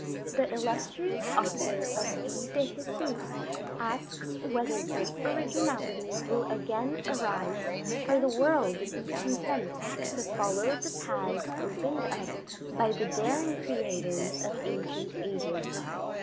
The illustrious author of the Vie de Jesus asks whether great originality will again arise or the world be content to follow the paths opened by the daring creators of ancient ages.